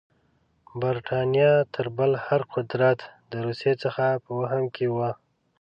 برټانیه تر بل هر قدرت د روسیې څخه په وهم کې وه.